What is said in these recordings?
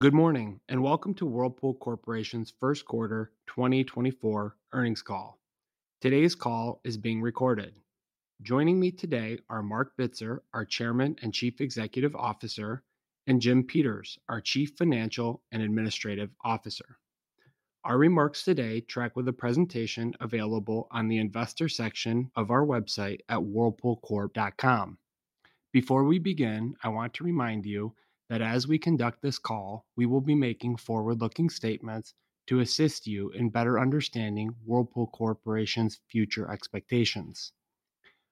Good morning and welcome to Whirlpool Corporation's first quarter 2024 earnings call. Today's call is being recorded. Joining me today are Marc Bitzer, our Chairman and Chief Executive Officer, and Jim Peters, our Chief Financial and Administrative Officer. Our remarks today track with the presentation available on the investor section of our website at whirlpoolcorp.com. Before we begin, I want to remind you that as we conduct this call we will be making forward-looking statements to assist you in better understanding Whirlpool Corporation's future expectations.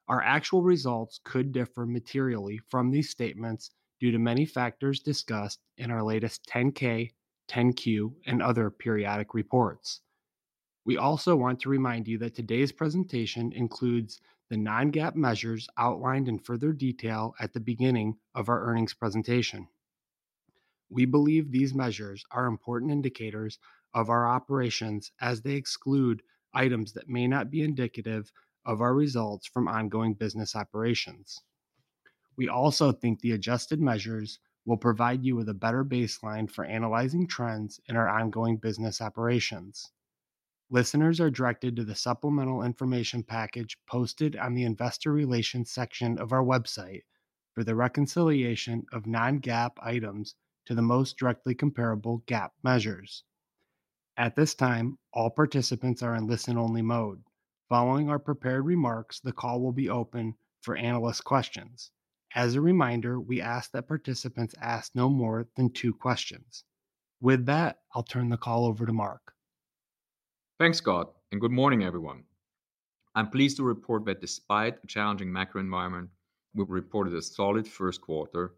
Our actual results could differ materially from these statements due to many factors discussed in our latest 10-K, 10-Q, and other periodic reports. We also want to remind you that today's presentation includes the non-GAAP measures outlined in further detail at the beginning of our earnings presentation. We believe these measures are important indicators of our operations as they exclude items that may not be indicative of our results from ongoing business operations. We also think the adjusted measures will provide you with a better baseline for analyzing trends in our ongoing business operations. Listeners are directed to the supplemental information package posted on the investor relations section of our website for the reconciliation of non-GAAP items to the most directly comparable GAAP measures. At this time, all participants are in listen-only mode. Following our prepared remarks, the call will be open for analyst questions. As a reminder, we ask that participants ask no more than two questions. With that, I'll turn the call over to Marc. Thanks, Scott, and good morning, everyone. I'm pleased to report that despite a challenging macro environment, we've reported a solid first quarter,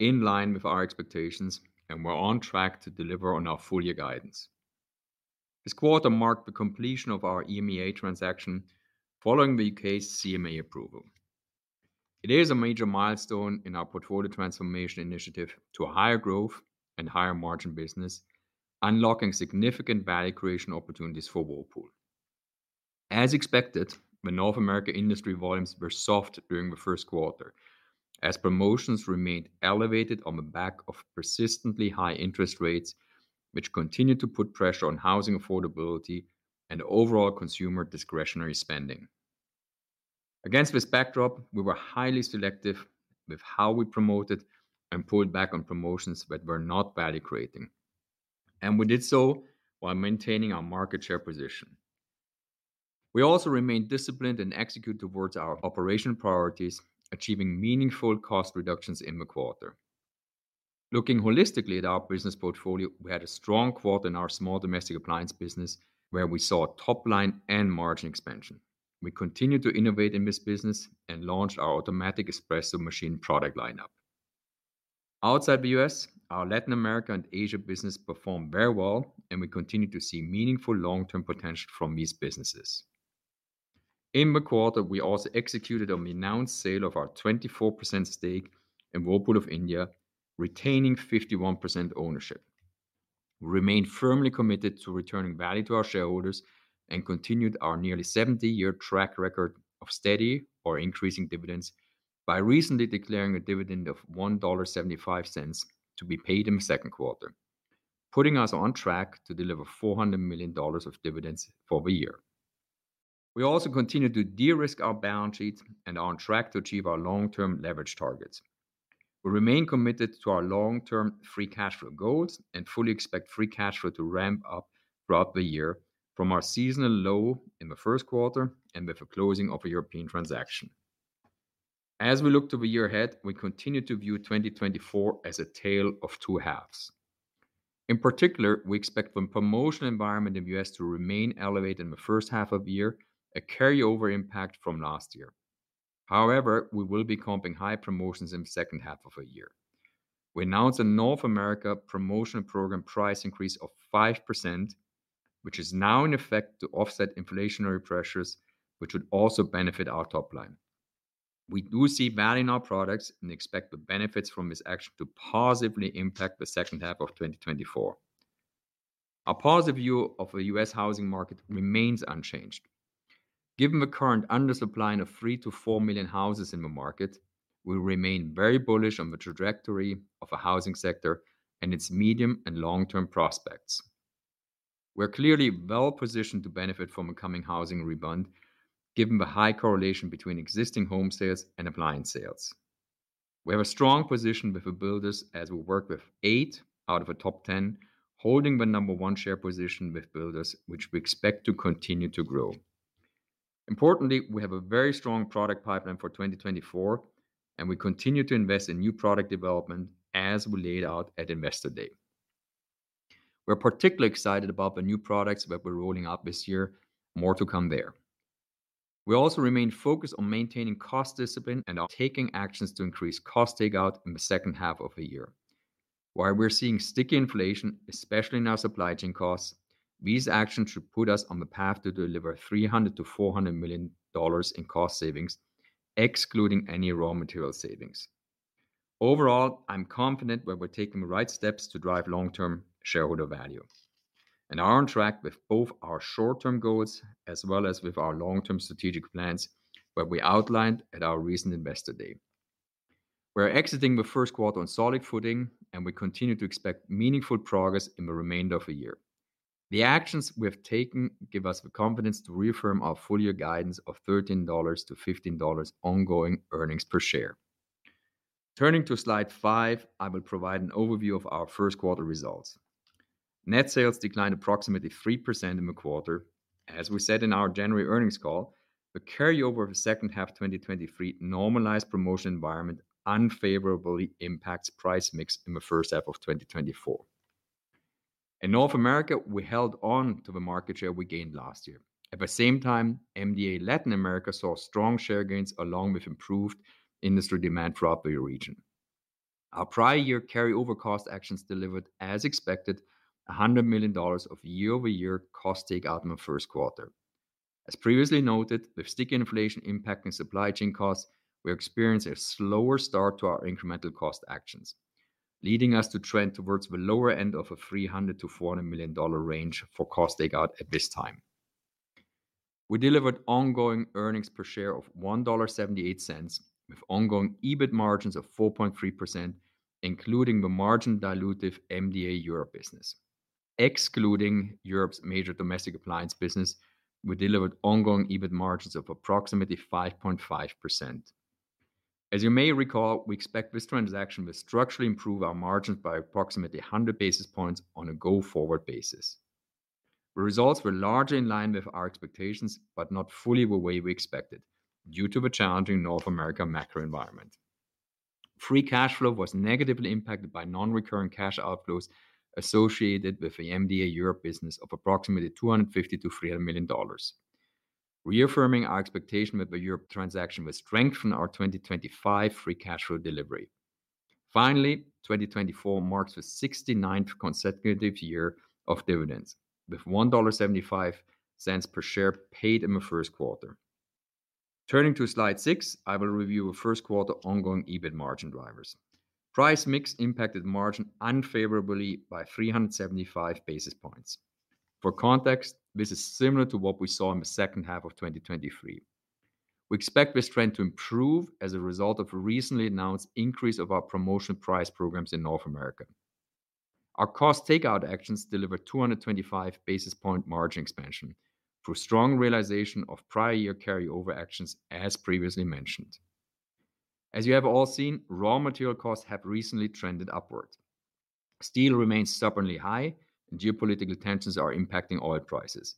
in line with our expectations, and we're on track to deliver on our full-year guidance. This quarter marked the completion of our EMEA transaction following the UK's CMA approval. It is a major milestone in our portfolio transformation initiative to higher growth and higher margin business, unlocking significant value creation opportunities for Whirlpool. As expected, the North America industry volumes were soft during the first quarter, as promotions remained elevated on the back of persistently high interest rates, which continued to put pressure on housing affordability and overall consumer discretionary spending. Against this backdrop, we were highly selective with how we promoted and pulled back on promotions that were not value creating, and we did so while maintaining our market share position. We also remained disciplined and execute towards our operational priorities, achieving meaningful cost reductions in the quarter. Looking holistically at our business portfolio, we had a strong quarter in our small domestic appliance business where we saw top-line and margin expansion. We continued to innovate in this business and launched our automatic espresso machine product lineup. Outside the U.S., our Latin America and Asia business performed very well, and we continue to see meaningful long-term potential from these businesses. In the quarter, we also executed on the announced sale of our 24% stake in Whirlpool of India, retaining 51% ownership. We remained firmly committed to returning value to our shareholders and continued our nearly 70-year track record of steady or increasing dividends by recently declaring a dividend of $1.75 to be paid in the second quarter, putting us on track to deliver $400 million of dividends for the year. We also continue to de-risk our balance sheets and are on track to achieve our long-term leverage targets. We remain committed to our long-term free cash flow goals and fully expect free cash flow to ramp up throughout the year from our seasonal low in the first quarter and with a closing of a European transaction. As we look to the year ahead, we continue to view 2024 as a tale of two halves. In particular, we expect the promotional environment in the U.S. to remain elevated in the first half of the year, a carryover impact from last year. However, we will be comping high promotions in the second half of the year. We announced a North America promotional program price increase of 5%, which is now in effect to offset inflationary pressures, which would also benefit our top line. We do see value in our products and expect the benefits from this action to positively impact the second half of 2024. Our positive view of the U.S. housing market remains unchanged. Given the current undersupplying of 3-4 million houses in the market, we remain very bullish on the trajectory of the housing sector and its medium- and long-term prospects. We're clearly well positioned to benefit from a coming housing rebound, given the high correlation between existing home sales and appliance sales. We have a strong position with the builders as we work with eight out of the top 10, holding the number one share position with builders, which we expect to continue to grow. Importantly, we have a very strong product pipeline for 2024, and we continue to invest in new product development as we laid out at Investor Day. We're particularly excited about the new products that we're rolling out this year. More to come there. We also remain focused on maintaining cost discipline and taking actions to increase cost takeout in the second half of the year. While we're seeing sticky inflation, especially in our supply chain costs, these actions should put us on the path to deliver $300-$400 million in cost savings, excluding any raw material savings. Overall, I'm confident that we're taking the right steps to drive long-term shareholder value and are on track with both our short-term goals as well as with our long-term strategic plans that we outlined at our recent Investor Day. We're exiting the first quarter on solid footing, and we continue to expect meaningful progress in the remainder of the year. The actions we have taken give us the confidence to reaffirm our full-year guidance of $13-$15 ongoing earnings per share. Turning to slide five, I will provide an overview of our first quarter results. Net sales declined approximately 3% in the quarter. As we said in our January earnings call, the carryover of the second half 2023 normalized promotion environment unfavorably impacts price mix in the first half of 2024. In North America, we held on to the market share we gained last year. At the same time, MDA Latin America saw strong share gains along with improved industry demand throughout the region. Our prior year carryover cost actions delivered, as expected, $100 million of year-over-year cost takeout in the first quarter. As previously noted, with sticky inflation impacting supply chain costs, we experienced a slower start to our incremental cost actions, leading us to trend towards the lower end of a $300 million-$400 million range for cost takeout at this time. We delivered ongoing earnings per share of $1.78 with ongoing EBITDA margins of 4.3%, including the margin dilutive MDA Europe business. Excluding Europe's major domestic appliance business, we delivered ongoing EBITDA margins of approximately 5.5%. As you may recall, we expect this transaction to structurally improve our margins by approximately 100 basis points on a go-forward basis. The results were largely in line with our expectations but not fully the way we expected due to the challenging North America macro environment. Free cash flow was negatively impacted by non-recurring cash outflows associated with the MDA Europe business of approximately $250-$300 million, reaffirming our expectation that the Europe transaction would strengthen our 2025 free cash flow delivery. Finally, 2024 marks the 69th consecutive year of dividends with $1.75 per share paid in the first quarter. Turning to slide six, I will review the first quarter ongoing EBITDA margin drivers. Price mix impacted margin unfavorably by 375 basis points. For context, this is similar to what we saw in the second half of 2023. We expect this trend to improve as a result of the recently announced increase of our promotional price programs in North America. Our cost takeout actions delivered 225 basis point margin expansion through strong realization of prior year carryover actions, as previously mentioned. As you have all seen, raw material costs have recently trended upward. Steel remains stubbornly high, and geopolitical tensions are impacting oil prices.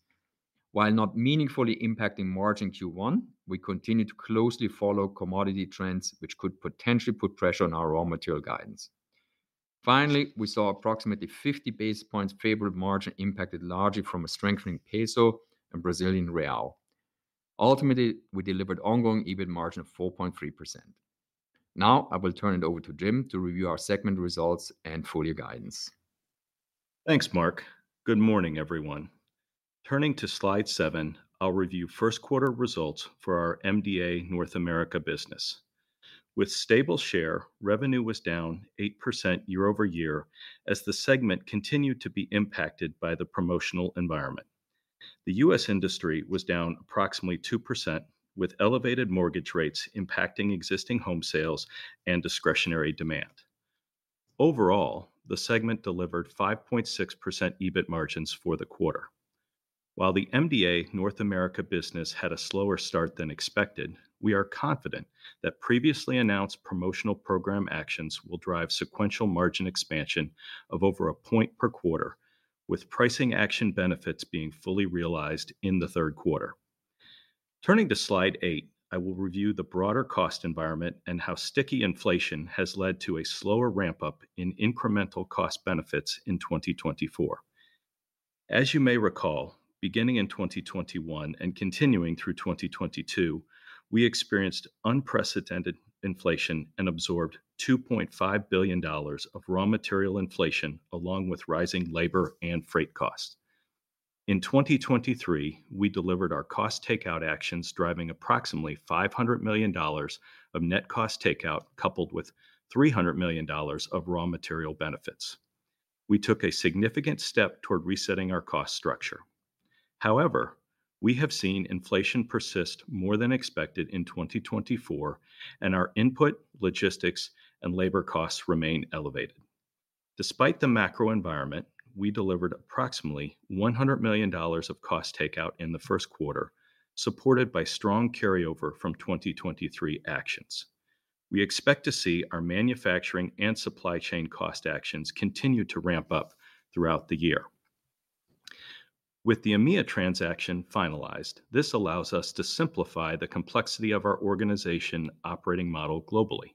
While not meaningfully impacting margin Q1, we continue to closely follow commodity trends, which could potentially put pressure on our raw material guidance. Finally, we saw approximately 50 basis points favorable margin impacted largely from a strengthening Mexican peso and Brazilian real. Ultimately, we delivered ongoing EBITDA margin of 4.3%. Now I will turn it over to Jim to review our segment results and full-year guidance. Thanks, Marc. Good morning, everyone. Turning to slide seven, I'll review first quarter results for our MDA North America business. With stable share, revenue was down 8% year-over-year as the segment continued to be impacted by the promotional environment. The U.S. industry was down approximately 2%, with elevated mortgage rates impacting existing home sales and discretionary demand. Overall, the segment delivered 5.6% EBITDA margins for the quarter. While the MDA North America business had a slower start than expected, we are confident that previously announced promotional program actions will drive sequential margin expansion of over a point per quarter, with pricing action benefits being fully realized in the third quarter. Turning to slide eight, I will review the broader cost environment and how sticky inflation has led to a slower ramp-up in incremental cost benefits in 2024. As you may recall, beginning in 2021 and continuing through 2022, we experienced unprecedented inflation and absorbed $2.5 billion of raw material inflation along with rising labor and freight costs. In 2023, we delivered our cost takeout actions driving approximately $500 million of net cost takeout coupled with $300 million of raw material benefits. We took a significant step toward resetting our cost structure. However, we have seen inflation persist more than expected in 2024, and our input, logistics, and labor costs remain elevated. Despite the macro environment, we delivered approximately $100 million of cost takeout in the first quarter, supported by strong carryover from 2023 actions. We expect to see our manufacturing and supply chain cost actions continue to ramp up throughout the year. With the EMEA transaction finalized, this allows us to simplify the complexity of our organization operating model globally.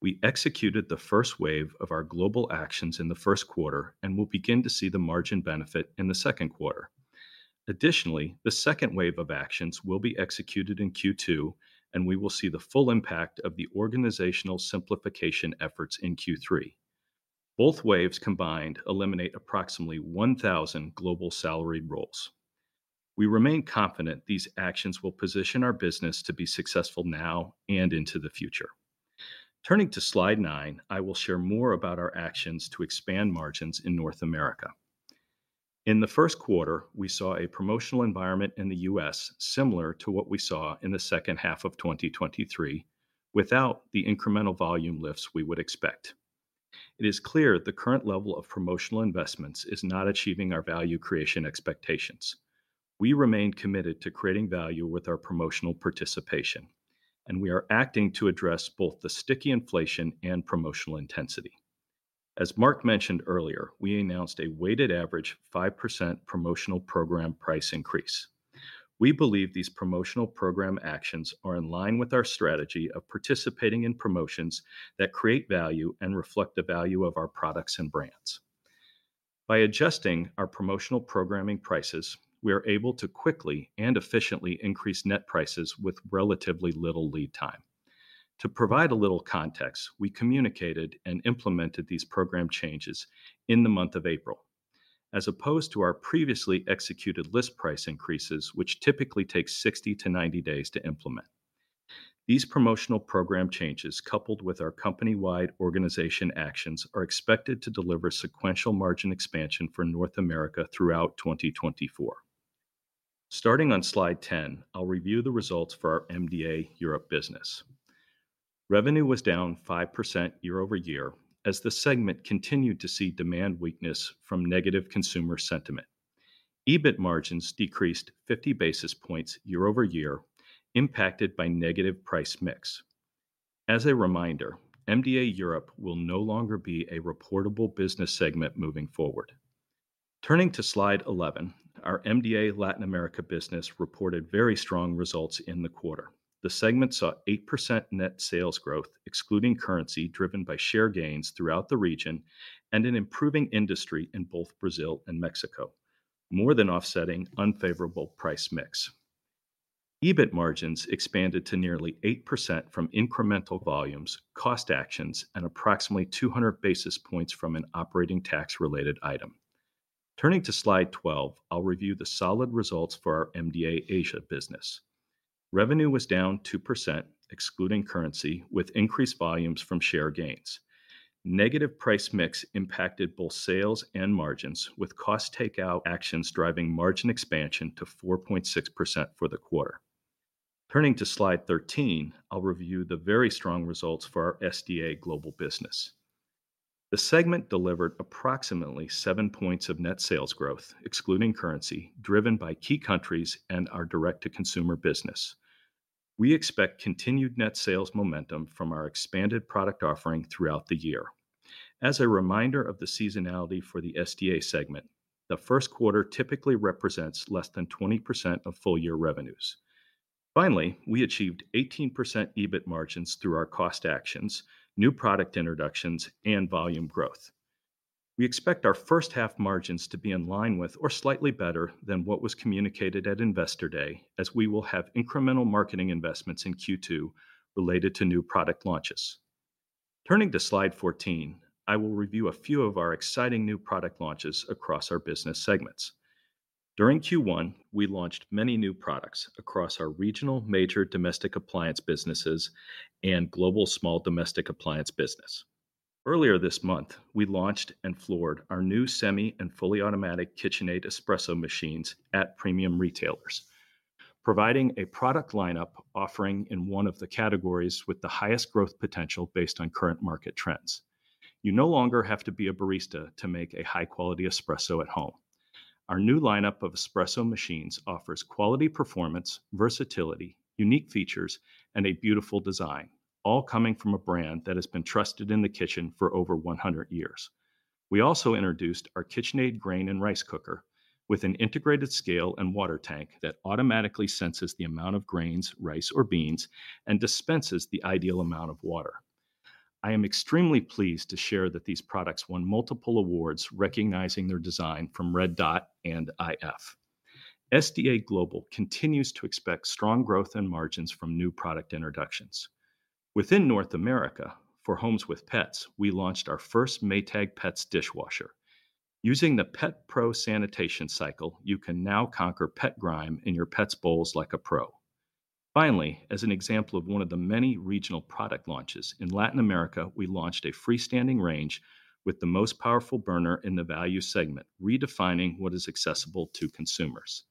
We executed the first wave of our global actions in the first quarter and will begin to see the margin benefit in the second quarter. Additionally, the second wave of actions will be executed in Q2, and we will see the full impact of the organizational simplification efforts in Q3. Both waves combined eliminate approximately 1,000 global salaried roles. We remain confident these actions will position our business to be successful now and into the future. Turning to slide nine, I will share more about our actions to expand margins in North America. In the first quarter, we saw a promotional environment in the U.S. similar to what we saw in the second half of 2023, without the incremental volume lifts we would expect. It is clear the current level of promotional investments is not achieving our value creation expectations. We remain committed to creating value with our promotional participation, and we are acting to address both the sticky inflation and promotional intensity. As Marc mentioned earlier, we announced a weighted average 5% promotional program price increase. We believe these promotional program actions are in line with our strategy of participating in promotions that create value and reflect the value of our products and brands. By adjusting our promotional programming prices, we are able to quickly and efficiently increase net prices with relatively little lead time. To provide a little context, we communicated and implemented these program changes in the month of April, as opposed to our previously executed list price increases, which typically take 60-90 days to implement. These promotional program changes, coupled with our company-wide organization actions, are expected to deliver sequential margin expansion for North America throughout 2024. Starting on slide 10, I'll review the results for our MDA Europe business. Revenue was down 5% year-over-year as the segment continued to see demand weakness from negative consumer sentiment. EBITDA margins decreased 50 basis points year-over-year, impacted by negative price mix. As a reminder, MDA Europe will no longer be a reportable business segment moving forward. Turning to slide 11, our MDA Latin America business reported very strong results in the quarter. The segment saw 8% net sales growth, excluding currency, driven by share gains throughout the region and an improving industry in both Brazil and Mexico, more than offsetting unfavorable price mix. EBITDA margins expanded to nearly 8% from incremental volumes, cost actions, and approximately 200 basis points from an operating tax-related item. Turning to slide 12, I'll review the solid results for our MDA Asia business. Revenue was down 2%, excluding currency, with increased volumes from share gains. Negative price mix impacted both sales and margins, with cost takeout actions driving margin expansion to 4.6% for the quarter. Turning to slide 13, I'll review the very strong results for our SDA Global business. The segment delivered approximately seven points of net sales growth, excluding currency, driven by key countries and our direct-to-consumer business. We expect continued net sales momentum from our expanded product offering throughout the year. As a reminder of the seasonality for the SDA segment, the first quarter typically represents less than 20% of full-year revenues. Finally, we achieved 18% EBITDA margins through our cost actions, new product introductions, and volume growth. We expect our first half margins to be in line with or slightly better than what was communicated at Investor Day, as we will have incremental marketing investments in Q2 related to new product launches. Turning to slide 14, I will review a few of our exciting new product launches across our business segments. During Q1, we launched many new products across our regional major domestic appliance businesses and global small domestic appliance business. Earlier this month, we launched and floored our new semi and fully automatic KitchenAid espresso machines at premium retailers, providing a product lineup offering in one of the categories with the highest growth potential based on current market trends. You no longer have to be a barista to make a high-quality espresso at home. Our new lineup of espresso machines offers quality performance, versatility, unique features, and a beautiful design, all coming from a brand that has been trusted in the kitchen for over 100 years. We also introduced our KitchenAid Grain and Rice Cooker with an integrated scale and water tank that automatically senses the amount of grains, rice, or beans and dispenses the ideal amount of water. I am extremely pleased to share that these products won multiple awards, recognizing their design from Red Dot and iF. SDA Global continues to expect strong growth and margins from new product introductions. Within North America, for homes with pets, we launched our first Maytag Pets dishwasher. Using the Pet Pro sanitation cycle, you can now conquer pet grime in your pet's bowls like a pro. Finally, as an example of one of the many regional product launches, in Latin America, we launched a freestanding range with the most powerful burner in the value segment, redefining what is accessible to consumers.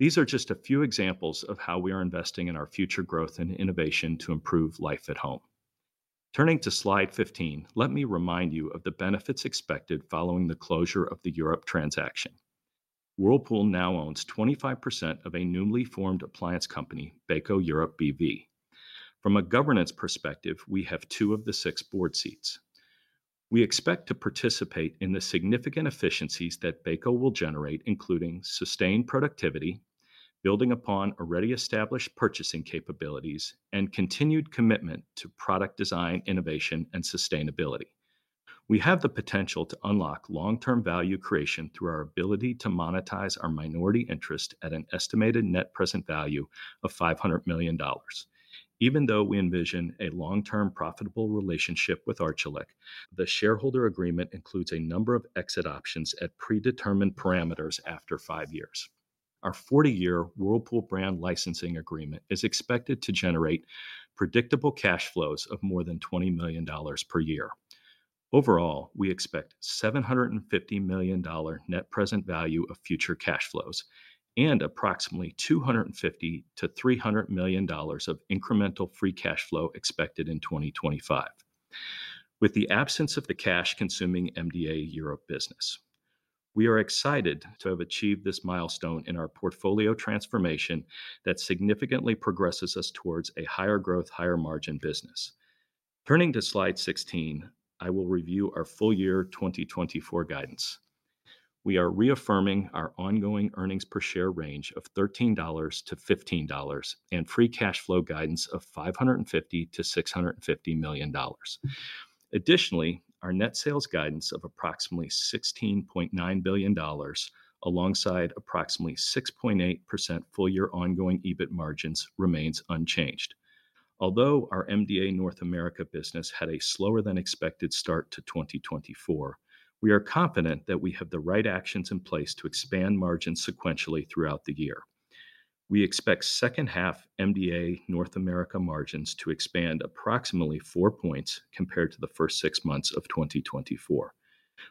These are just a few examples of how we are investing in our future growth and innovation to improve life at home. Turning to slide 15, let me remind you of the benefits expected following the closure of the Europe transaction. Whirlpool now owns 25% of a newly formed appliance company, Beko Europe B.V. From a governance perspective, we have two of the six board seats. We expect to participate in the significant efficiencies that Beko will generate, including sustained productivity, building upon already established purchasing capabilities, and continued commitment to product design, innovation, and sustainability. We have the potential to unlock long-term value creation through our ability to monetize our minority interest at an estimated net present value of $500 million. Even though we envision a long-term profitable relationship with Arçelik, the shareholder agreement includes a number of exit options at predetermined parameters after five years. Our 40-year Whirlpool brand licensing agreement is expected to generate predictable cash flows of more than $20 million per year. Overall, we expect $750 million net present value of future cash flows and approximately $250-$300 million of incremental free cash flow expected in 2025, with the absence of the cash-consuming MDA Europe business. We are excited to have achieved this milestone in our portfolio transformation that significantly progresses us towards a higher growth, higher margin business. Turning to slide 16, I will review our full-year 2024 guidance. We are reaffirming our ongoing earnings per share range of $13-$15 and free cash flow guidance of $550-$650 million. Additionally, our net sales guidance of approximately $16.9 billion, alongside approximately 6.8% full-year ongoing EBITDA margins, remains unchanged. Although our MDA North America business had a slower-than-expected start to 2024, we are confident that we have the right actions in place to expand margins sequentially throughout the year. We expect second half MDA North America margins to expand approximately four points compared to the first six months of 2024.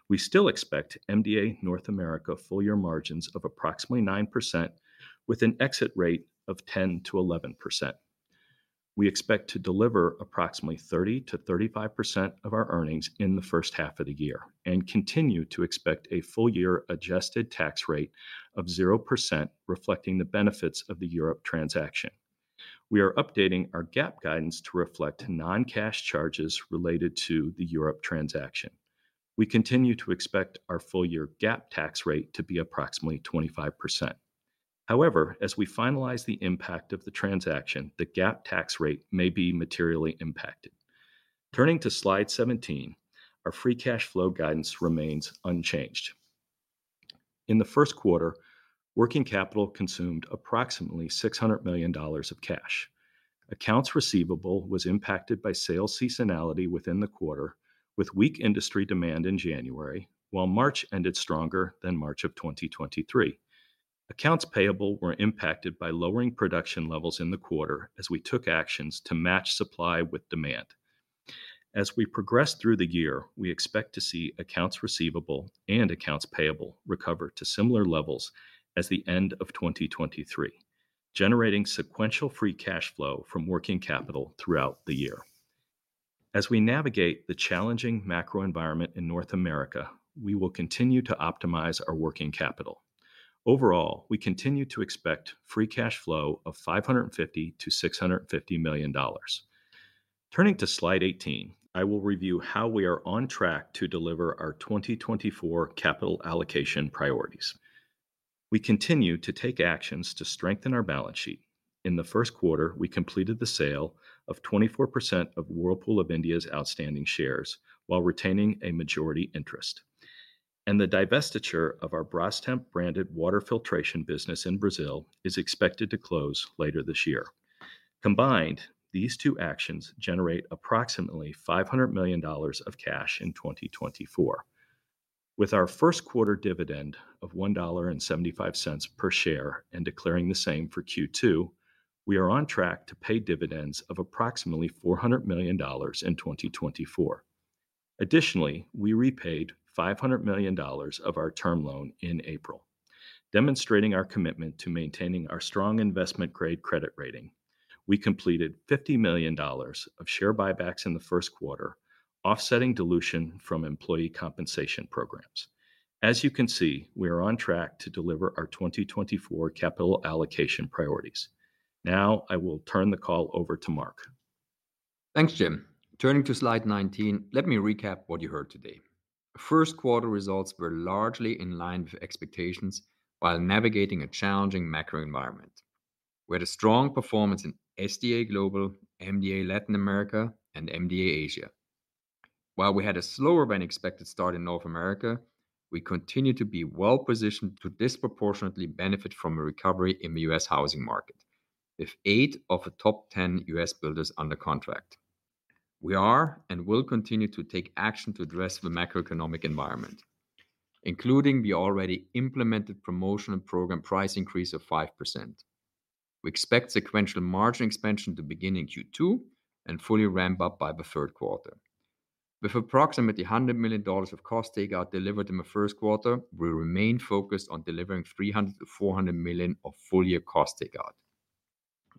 We still expect MDA North America full-year margins of approximately 9%, with an exit rate of 10%-11%. We expect to deliver approximately 30%-35% of our earnings in the first half of the year and continue to expect a full-year adjusted tax rate of 0%, reflecting the benefits of the Europe transaction. We are updating our GAAP guidance to reflect non-cash charges related to the Europe transaction. We continue to expect our full-year GAAP tax rate to be approximately 25%. However, as we finalize the impact of the transaction, the GAAP tax rate may be materially impacted. Turning to slide 17, our free cash flow guidance remains unchanged. In the first quarter, working capital consumed approximately $600 million of cash. Accounts receivable were impacted by sales seasonality within the quarter, with weak industry demand in January, while March ended stronger than March of 2023. Accounts payable were impacted by lowering production levels in the quarter as we took actions to match supply with demand. As we progress through the year, we expect to see accounts receivable and accounts payable recover to similar levels as the end of 2023, generating sequential free cash flow from working capital throughout the year. As we navigate the challenging macro environment in North America, we will continue to optimize our working capital. Overall, we continue to expect free cash flow of $550-$650 million. Turning to slide 18, I will review how we are on track to deliver our 2024 capital allocation priorities. We continue to take actions to strengthen our balance sheet. In the first quarter, we completed the sale of 24% of Whirlpool of India's outstanding shares while retaining a majority interest, and the divestiture of our Brastemp branded water filtration business in Brazil is expected to close later this year. Combined, these two actions generate approximately $500 million of cash in 2024. With our first quarter dividend of $1.75 per share and declaring the same for Q2, we are on track to pay dividends of approximately $400 million in 2024. Additionally, we repaid $500 million of our term loan in April, demonstrating our commitment to maintaining our strong investment-grade credit rating. We completed $50 million of share buybacks in the first quarter, offsetting dilution from employee compensation programs. As you can see, we are on track to deliver our 2024 capital allocation priorities. Now I will turn the call over to Marc. Thanks, Jim. Turning to slide 19, let me recap what you heard today. First quarter results were largely in line with expectations while navigating a challenging macro environment. We had a strong performance in SDA Global, MDA Latin America, and MDA Asia. While we had a slower-than-expected start in North America, we continue to be well-positioned to disproportionately benefit from a recovery in the U.S. housing market with eight of the top 10 U.S. builders under contract. We are and will continue to take action to address the macroeconomic environment, including the already implemented promotional program price increase of 5%. We expect sequential margin expansion to begin in Q2 and fully ramp up by the third quarter. With approximately $100 million of cost takeout delivered in the first quarter, we remain focused on delivering $300-$400 million of full-year cost takeout.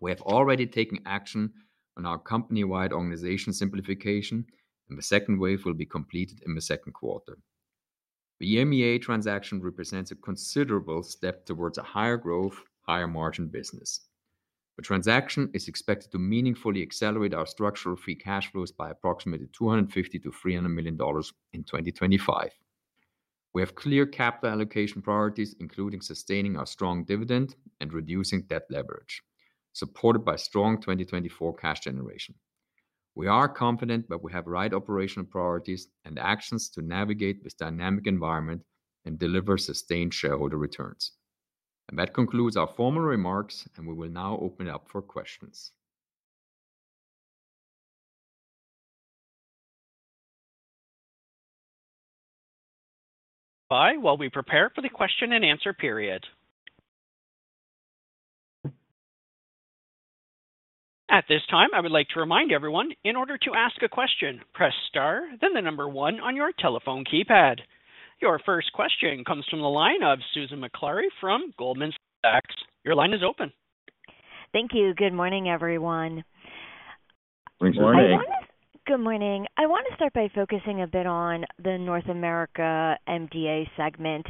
We have already taken action on our company-wide organization simplification, and the second wave will be completed in the second quarter. The EMEA transaction represents a considerable step towards a higher growth, higher margin business. The transaction is expected to meaningfully accelerate our structural free cash flows by approximately $250-$300 million in 2025. We have clear capital allocation priorities, including sustaining our strong dividend and reducing debt leverage, supported by strong 2024 cash generation. We are confident that we have the right operational priorities and actions to navigate this dynamic environment and deliver sustained shareholder returns. That concludes our formal remarks, and we will now open it up for questions. While we prepare for the question and answer period. At this time, I would like to remind everyone, in order to ask a question, press star, then the number one on your telephone keypad. Your first question comes from the line of Susan Maklari from Goldman Sachs. Your line is open. Thank you. Good morning, everyone. Thanks. Good morning. I want to start by focusing a bit on the North America MDA segment.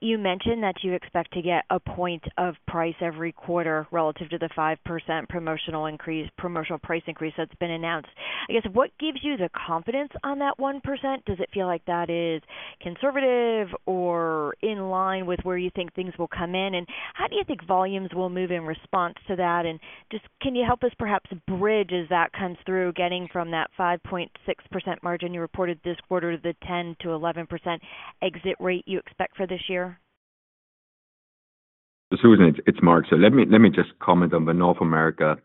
You mentioned that you expect to get a point of price every quarter relative to the 5% promotional price increase that's been announced. I guess, what gives you the confidence on that 1%? Does it feel like that is conservative or in line with where you think things will come in? And how do you think volumes will move in response to that? And can you help us perhaps bridge, as that comes through, getting from that 5.6% margin you reported this quarter to the 10%-11% exit rate you expect for this year? Susan, it's Marc. So let me just comment on the North America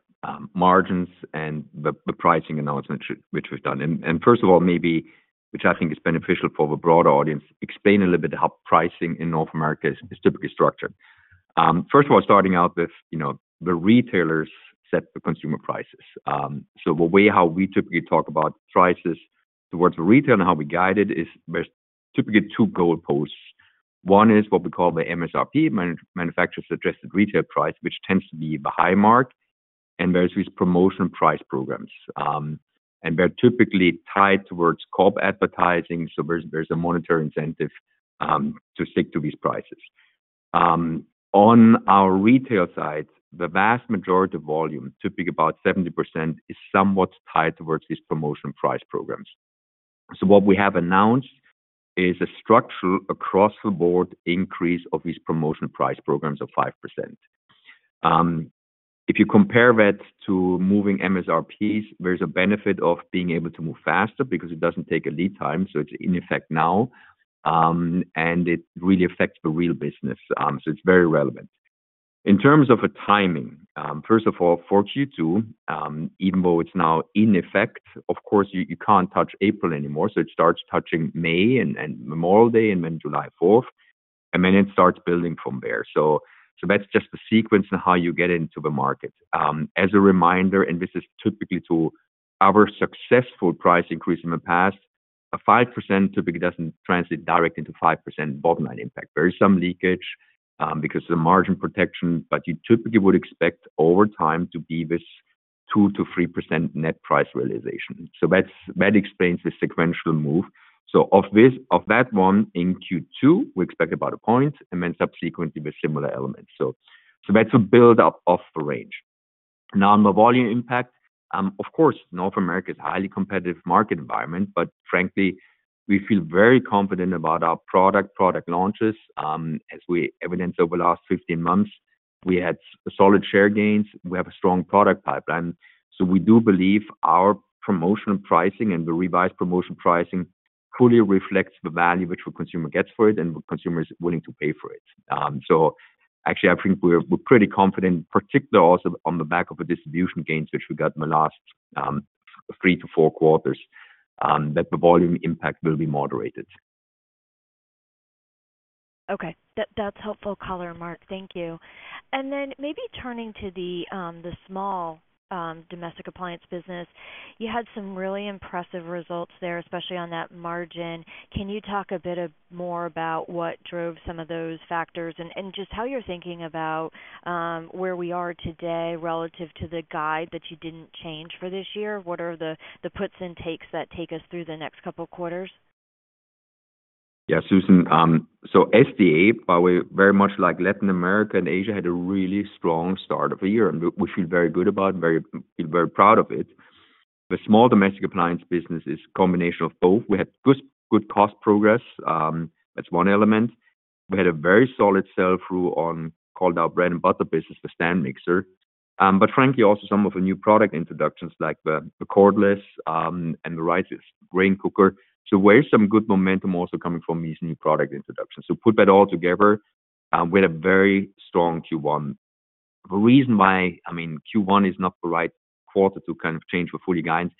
margins and the pricing announcement which we've done. And first of all, maybe, which I think is beneficial for the broader audience, explain a little bit how pricing in North America is typically structured. First of all, starting out with the retailers set the consumer prices. So the way how we typically talk about prices towards the retail and how we guide it is there's typically two goal posts. One is what we call the MSRP, manufacturer's suggested retail price, which tends to be the high mark, and there's these promotional price programs and they're typically tied towards co-op advertising. So there's a monetary incentive to stick to these prices. On our retail side, the vast majority of volume, typically about 70%, is somewhat tied towards these promotional price programs. So what we have announced is a structural across-the-board increase of these promotional price programs of 5%. If you compare that to moving MSRPs, there's a benefit of being able to move faster because it doesn't take a lead time. So it's in effect now, and it really affects the real business. So it's very relevant. In terms of timing, first of all, for Q2, even though it's now in effect, of course, you can't touch April anymore. So it starts touching May and Memorial Day and then July 4th, and then it starts building from there. So that's just the sequence and how you get into the market. As a reminder, and this is typically to our successful price increase in the past, a 5% typically doesn't translate directly into 5% bottom line impact. There is some leakage because of the margin protection, but you typically would expect over time to be this 2%-3% net price realization. So that explains the sequential move. So of that one, in Q2, we expect about a point and then subsequently with similar elements. So that's a buildup of the range. Now, on the volume impact, of course, North America is a highly competitive market environment, but frankly, we feel very confident about our product launches. As we evidenced over the last 15 months, we had solid share gains. We have a strong product pipeline. So we do believe our promotional pricing and the revised promotional pricing fully reflects the value which the consumer gets for it and the consumer is willing to pay for it. So actually, I think we're pretty confident, particularly also on the back of the distribution gains which we got in the last three to four quarters, that the volume impact will be moderated. Okay. That's helpful color, Marc. Thank you. And then maybe turning to the small domestic appliance business, you had some really impressive results there, especially on that margin. Can you talk a bit more about what drove some of those factors and just how you're thinking about where we are today relative to the guide that you didn't change for this year? What are the puts and takes that take us through the next couple of quarters? Yeah, Susan. So SDA, while we're very much like Latin America and Asia, had a really strong start of the year, and we feel very good about it, feel very proud of it. The small domestic appliance business is a combination of both. We had good cost progress. That's one element. We had a very solid sell-through on what we call our bread-and-butter business, the stand mixer. But frankly, also some of the new product introductions like the cordless and the rice grain cooker. So there's some good momentum also coming from these new product introductions. So put that all together, we had a very strong Q1. The reason why, I mean, Q1 is not the right quarter to kind of change our full-year guidance,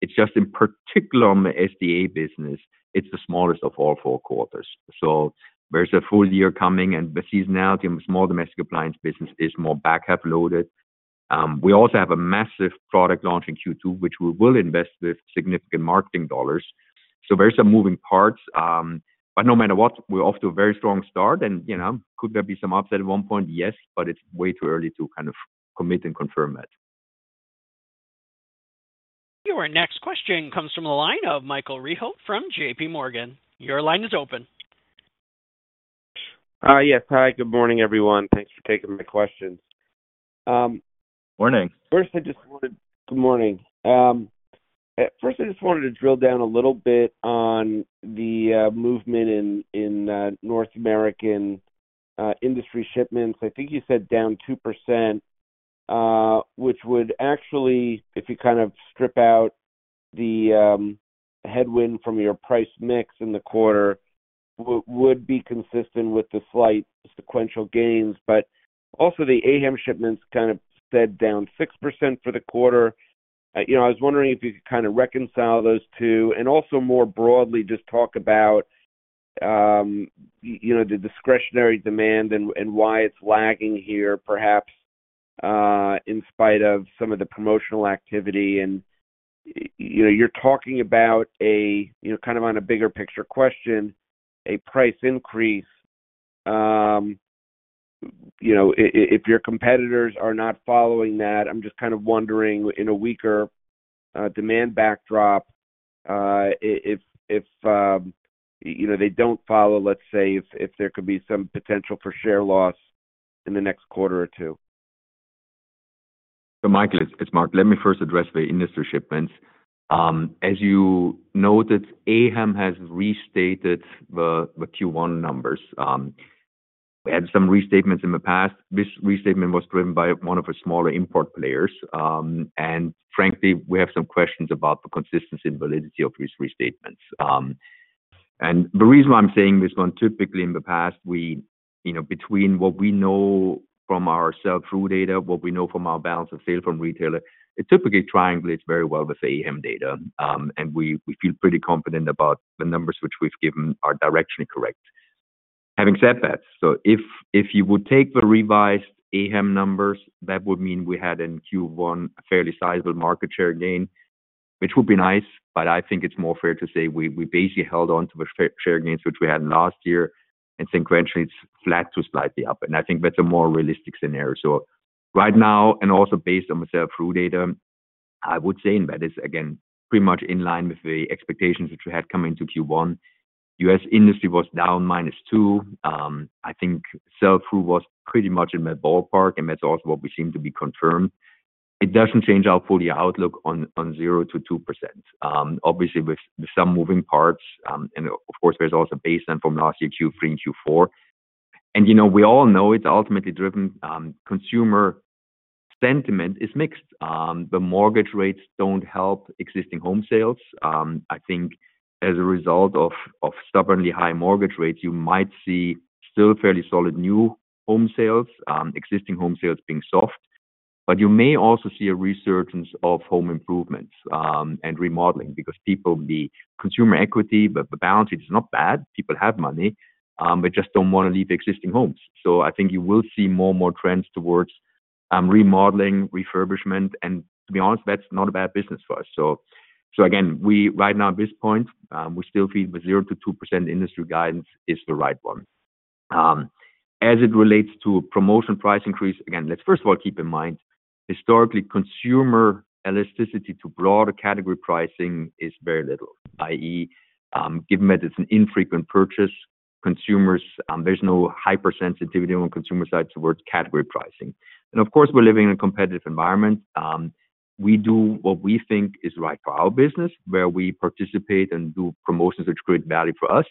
it's just in particular on the SDA business, it's the smallest of all four quarters. So there's a full year coming, and the seasonality on the small domestic appliance business is more back half loaded. We also have a massive product launch in Q2, which we will invest with significant marketing dollars. So there's some moving parts. But no matter what, we're off to a very strong start. And could there be some upset at one point? Yes, but it's way too early to kind of commit and confirm that. Your next question comes from the line of Michael Rehaut from JP Morgan. Your line is open. Yes. Hi. Good morning, everyone. Thanks for taking my questions. Morning. First, I just wanted to drill down a little bit on the movement in North American industry shipments. I think you said down 2%, which would actually, if you kind of strip out the headwind from your price mix in the quarter, would be consistent with the slight sequential gains. But also, the AHAM shipments kind of fell down 6% for the quarter. I was wondering if you could kind of reconcile those two and also more broadly just talk about the discretionary demand and why it's lagging here, perhaps in spite of some of the promotional activity. And you're talking about a kind of on a bigger picture question, a price increase. If your competitors are not following that, I'm just kind of wondering in a weaker demand backdrop, if they don't follow, let's say, if there could be some potential for share loss in the next quarter or two. So Michael, it's Marc. Let me first address the industry shipments. As you noted, AHAM has restated the Q1 numbers. We had some restatements in the past. This restatement was driven by one of the smaller import players. Frankly, we have some questions about the consistency and validity of these restatements. The reason why I'm saying this one, typically in the past, between what we know from our sell-through data, what we know from our balance of sale from retailer, it typically triangulates very well with AHAM data. We feel pretty confident about the numbers which we've given are directionally correct. Having said that, so if you would take the revised AHAM numbers, that would mean we had in Q1 a fairly sizable market share gain, which would be nice. I think it's more fair to say we basically held on to the share gains which we had last year, and sequentially, it's flat to slightly up. I think that's a more realistic scenario. So right now, and also based on the sell-through data, I would say that is, again, pretty much in line with the expectations which we had coming into Q1. U.S. industry was down -2%. I think sell-through was pretty much in the ballpark, and that's also what we seem to be confirmed. It doesn't change our full-year outlook on 0%-2%, obviously with some moving parts. And of course, there's also a baseline from last year, Q3 and Q4. And we all know it's ultimately driven Consumer sentiment is mixed. The mortgage rates don't help existing home sales. I think as a result of stubbornly high mortgage rates, you might see still fairly solid new home sales, existing home sales being soft. But you may also see a resurgence of home improvements and remodeling because people. The consumer equity, the balance sheet is not bad. People have money. They just don't want to leave existing homes. So I think you will see more and more trends towards remodeling, refurbishment. And to be honest, that's not a bad business for us. So again, right now at this point, we still feel the 0%-2% industry guidance is the right one. As it relates to promotional price increase, again, let's first of all keep in mind, historically, consumer elasticity to broader category pricing is very little, i.e., given that it's an infrequent purchase, there's no hypersensitivity on the consumer side towards category pricing. And of course, we're living in a competitive environment. We do what we think is right for our business, where we participate and do promotions which create value for us.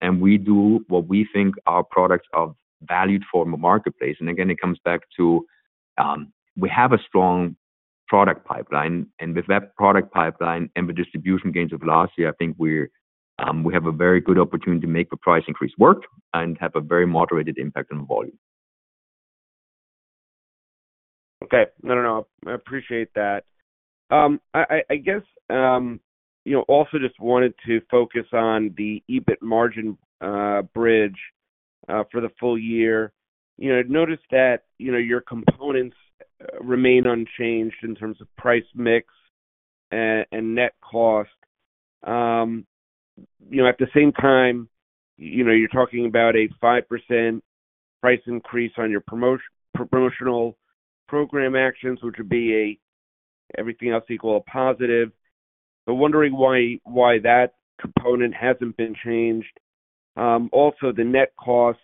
And we do what we think our products are valued for in the marketplace. And again, it comes back to we have a strong product pipeline. And with that product pipeline and the distribution gains of last year, I think we have a very good opportunity to make the price increase work and have a very moderated impact on the volume. Okay. No, no, no. I appreciate that. I guess also just wanted to focus on the EBITDA margin bridge for the full year. I noticed that your components remain unchanged in terms of price mix and net cost. At the same time, you're talking about a 5% price increase on your promotional program actions, which would be, all else equal, a positive. But wondering why that component hasn't been changed. Also, the net cost,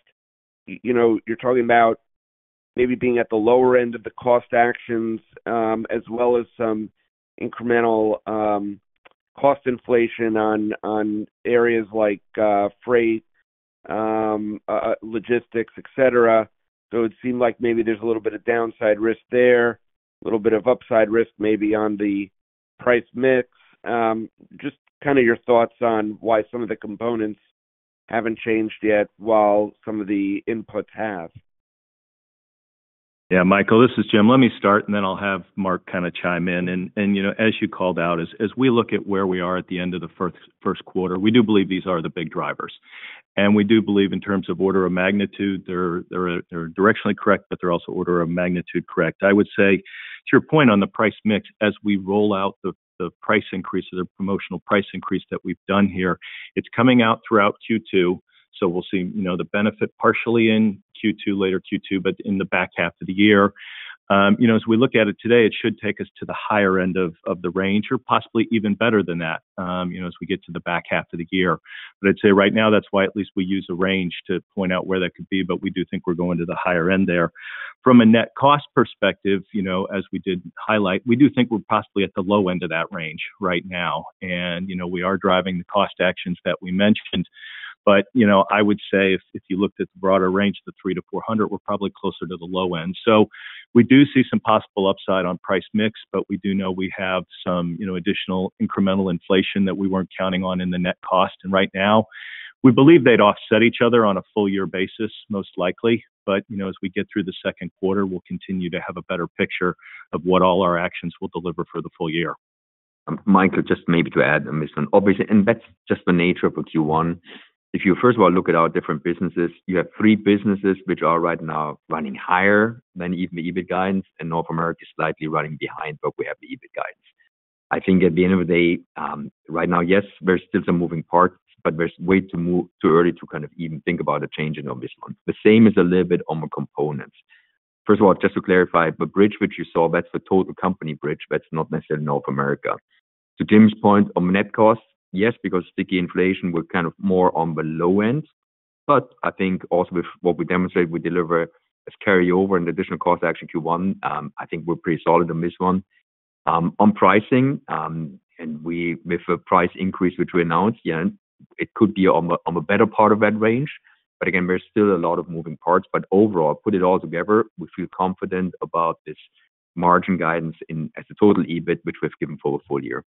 you're talking about maybe being at the lower end of the cost actions as well as some incremental cost inflation on areas like freight, logistics, et cetera. So it seemed like maybe there's a little bit of downside risk there, a little bit of upside risk maybe on the price mix. Just kind of your thoughts on why some of the components haven't changed yet while some of the inputs have. Yeah, Michael. This is Jim. Let me start, and then I'll have Marc kind of chime in. And as you called out, as we look at where we are at the end of the first quarter, we do believe these are the big drivers. And we do believe in terms of order of magnitude, they're directionally correct, but they're also order of magnitude correct. I would say to your point on the price mix, as we roll out the price increase or the promotional price increase that we've done here, it's coming out throughout Q2. So we'll see the benefit partially in Q2, later Q2, but in the back half of the year. As we look at it today, it should take us to the higher end of the range or possibly even better than that as we get to the back half of the year. But I'd say right now, that's why at least we use a range to point out where that could be. But we do think we're going to the higher end there. From a net cost perspective, as we did highlight, we do think we're possibly at the low end of that range right now. And we are driving the cost actions that we mentioned. But I would say if you looked at the broader range, the $300-$400, we're probably closer to the low end. So we do see some possible upside on price mix, but we do know we have some additional incremental inflation that we weren't counting on in the net cost. And right now, we believe they'd offset each other on a full year basis, most likely. But as we get through the second quarter, we'll continue to have a better picture of what all our actions will deliver for the full year. Michael, just maybe to add, obviously, and that's just the nature of Q1. If you first of all look at our different businesses, you have three businesses which are right now running higher than even the EBITDA guidance, and North America is slightly running behind where we have the EBITDA guidance. I think at the end of the day, right now, yes, there's still some moving parts, but there's way too early to kind of even think about a change in this month. The same is a little bit on the components. First of all, just to clarify, the bridge which you saw, that's the total company bridge. That's not necessarily North America. To Jim's point on the net cost, yes, because sticky inflation, we're kind of more on the low end. But I think also with what we demonstrated, we deliver as carryover and additional cost action Q1, I think we're pretty solid on this one. On pricing, and with the price increase which we announced, it could be on the better part of that range. But again, there's still a lot of moving parts. But overall, put it all together, we feel confident about this margin guidance as a total EBITDA which we've given for the full year.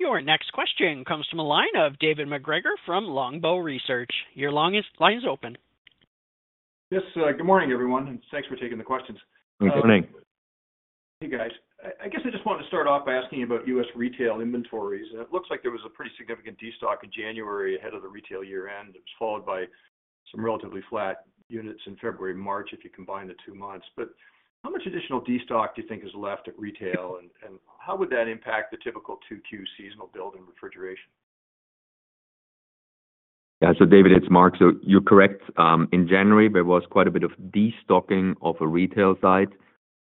Your next question comes from a line of David MacGregor from Longbow Research. Your line is open. Yes. Good morning, everyone, and thanks for taking the questions. Good morning. Hey, guys. I guess I just wanted to start off by asking you about U.S. retail inventories. It looks like there was a pretty significant destock in January ahead of the retail year-end. It was followed by some relatively flat units in February, March, if you combine the two months. But how much additional destock do you think is left at retail, and how would that impact the typical Q2 seasonal build in refrigeration? Yeah. So David, it's Marc. So you're correct. In January, there was quite a bit of destocking on the retail side.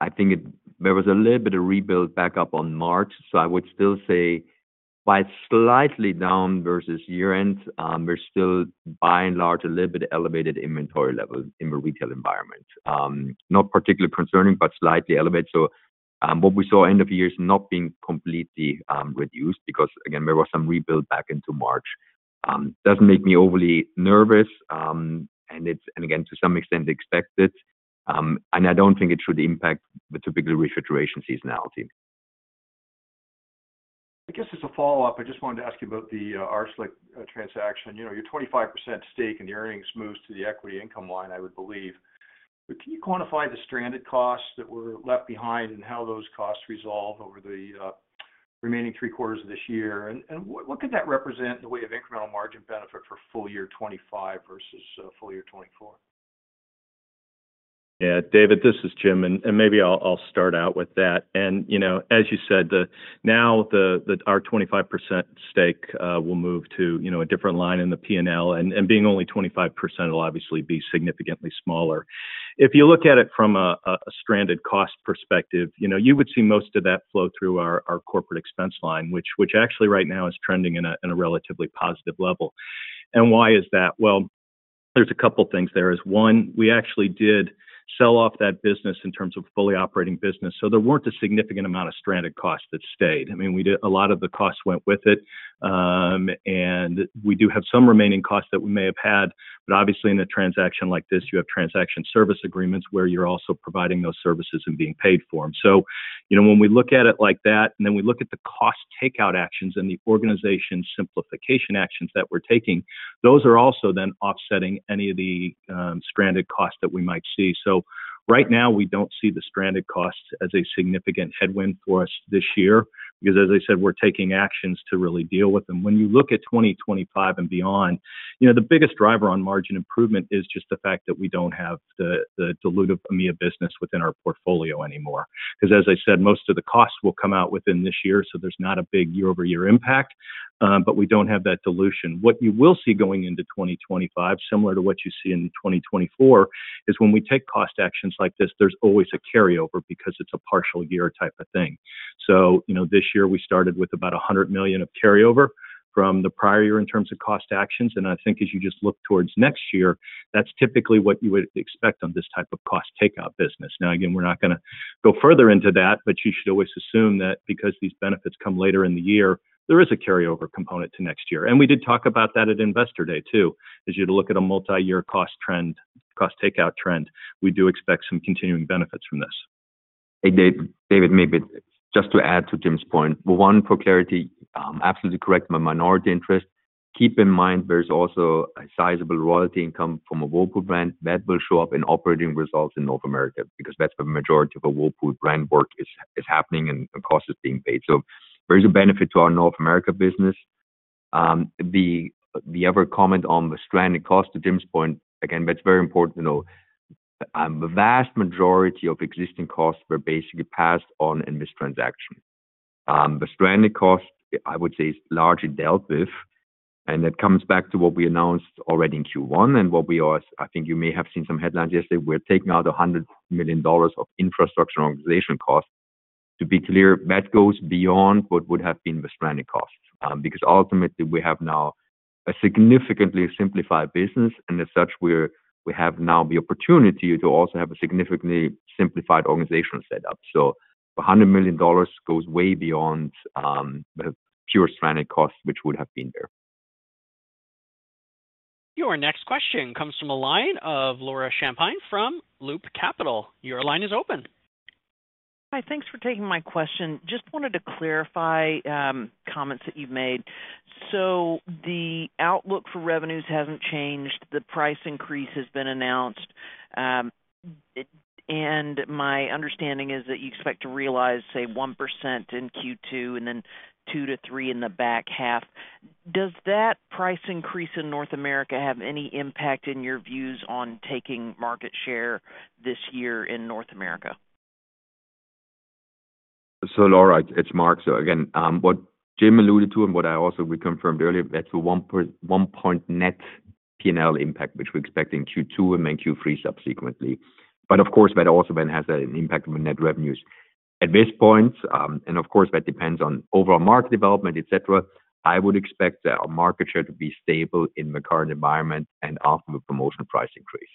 I think there was a little bit of rebuild back up on March. So I would still say by slightly down versus year-end, we're still by and large a little bit elevated inventory level in the retail environment. Not particularly concerning, but slightly elevated. So what we saw end of year is not being completely reduced because, again, there was some rebuild back into March. Doesn't make me overly nervous, and again, to some extent, expected. And I don't think it should impact the typical refrigeration seasonality. I guess as a follow-up, I just wanted to ask you about the Arçelik transaction. Your 25% stake and the earnings moved to the equity income line, I would believe. But can you quantify the stranded costs that were left behind and how those costs resolve over the remaining three quarters of this year? What could that represent in the way of incremental margin benefit for full year 2025 versus full year 2024? Yeah. David, this is Jim. Maybe I'll start out with that. As you said, now our 25% stake will move to a different line in the P&L. Being only 25% will obviously be significantly smaller. If you look at it from a stranded cost perspective, you would see most of that flow through our corporate expense line, which actually right now is trending in a relatively positive level. Why is that? Well, there's a couple of things there. One, we actually did sell off that business in terms of fully operating business. So there weren't a significant amount of stranded costs that stayed. I mean, a lot of the costs went with it. We do have some remaining costs that we may have had. But obviously, in a transaction like this, you have transaction service agreements where you're also providing those services and being paid for them. So when we look at it like that, and then we look at the cost takeout actions and the organization simplification actions that we're taking, those are also then offsetting any of the stranded costs that we might see. So right now, we don't see the stranded costs as a significant headwind for us this year because, as I said, we're taking actions to really deal with them. When you look at 2025 and beyond, the biggest driver on margin improvement is just the fact that we don't have the dilutive EMEA business within our portfolio anymore because, as I said, most of the costs will come out within this year. So there's not a big year-over-year impact, but we don't have that dilution. What you will see going into 2025, similar to what you see in 2024, is when we take cost actions like this, there's always a carryover because it's a partial year type of thing. So this year, we started with about $100 million of carryover from the prior year in terms of cost actions. And I think as you just look towards next year, that's typically what you would expect on this type of cost takeout business. Now, again, we're not going to go further into that, but you should always assume that because these benefits come later in the year, there is a carryover component to next year. And we did talk about that at Investor Day, too. As you look at a multi-year cost takeout trend, we do expect some continuing benefits from this. Hey, David, maybe just to add to Jim's point, one, for clarity, absolutely correct, my minority interest. Keep in mind there's also a sizable royalty income from a Whirlpool brand. That will show up in operating results in North America because that's where the majority of the Whirlpool brand work is happening and cost is being paid. So there's a benefit to our North America business. The other comment on the stranded cost, to Jim's point, again, that's very important. The vast majority of existing costs were basically passed on in this transaction. The stranded cost, I would say, is largely dealt with. And that comes back to what we announced already in Q1 and what we are, I think, you may have seen some headlines yesterday. We're taking out $100 million of infrastructure organization cost. To be clear, that goes beyond what would have been the stranded cost because ultimately, we have now a significantly simplified business. And as such, we have now the opportunity to also have a significantly simplified organizational setup. So $100 million goes way beyond the pure stranded cost which would have been there. Your next question comes from a line of Laura Champine from Loop Capital. Your line is open. Hi. Thanks for taking my question. Just wanted to clarify comments that you've made. So the outlook for revenues hasn't changed. The price increase has been announced. And my understanding is that you expect to realize, say, 1% in Q2 and then 2%-3% in the back half. Does that price increase in North America have any impact in your views on taking market share this year in North America? So Laura, it's Marc. So again, what Jim alluded to and what I also reconfirmed earlier, that's a 1-point net P&L impact which we expect in Q2 and then Q3 subsequently. But of course, that also then has an impact on net revenues. At this point, and of course, that depends on overall market development, et cetera, I would expect our market share to be stable in the current environment and after the promotional price increase.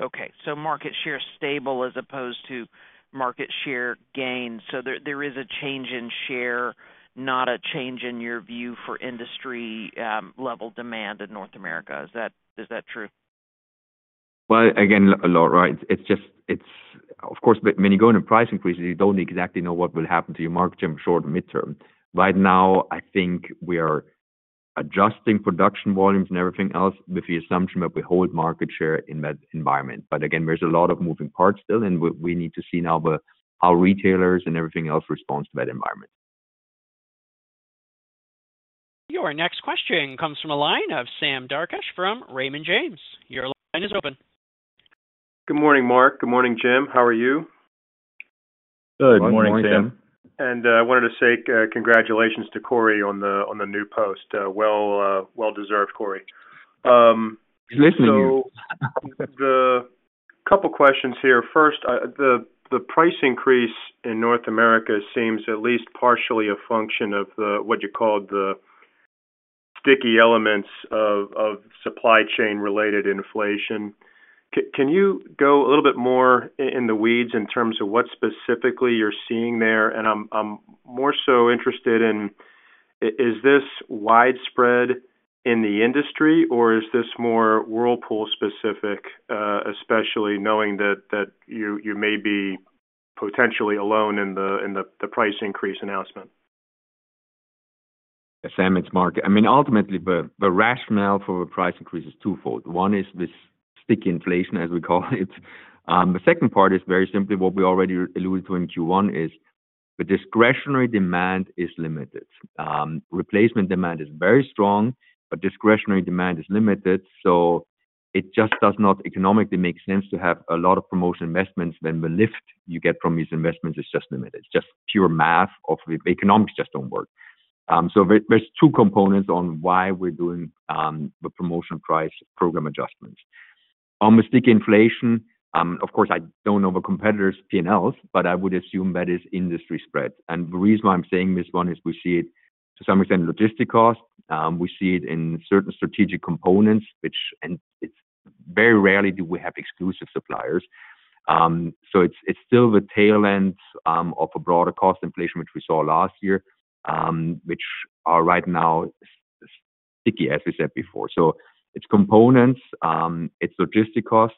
Okay. So market share stable as opposed to market share gain. So there is a change in share, not a change in your view for industry-level demand in North America. Is that true? Well, again, Laura, right? Of course, when you go into price increases, you don't exactly know what will happen to your market, Jim, short and mid-term. Right now, I think we are adjusting production volumes and everything else with the assumption that we hold market share in that environment. But again, there's a lot of moving parts still, and we need to see now how retailers and everything else responds to that environment. Your next question comes from a line of Sam Darkatsh from Raymond James. Your line is open. Good morning, Marc. Good morning, Jim. How are you? And I wanted to say congratulations to Korey on the new post. Well-deserved, Korey. He's listening to you. So a couple of questions here. First, the price increase in North America seems at least partially a function of what you called the sticky elements of supply chain-related inflation. Can you go a little bit more in the weeds in terms of what specifically you're seeing there? I'm more so interested in, is this widespread in the industry, or is this more Whirlpool-specific, especially knowing that you may be potentially alone in the price increase announcement? Sam, it's Marc. I mean, ultimately, the rationale for the price increase is twofold. One is this sticky inflation, as we call it. The second part is very simply what we already alluded to in Q1, is the discretionary demand is limited. Replacement demand is very strong, but discretionary demand is limited. So it just does not economically make sense to have a lot of promotional investments when the lift you get from these investments is just limited. It's just pure math. Economics just don't work. So there's two components on why we're doing the promotional price program adjustments. On the sticky inflation, of course, I don't know the competitors' P&Ls, but I would assume that is industry spread. And the reason why I'm saying this one is we see it to some extent in logistics costs. We see it in certain strategic components, which very rarely do we have exclusive suppliers. So it's still the tail end of a broader cost inflation which we saw last year, which are right now sticky, as we said before. So it's components. It's logistics costs.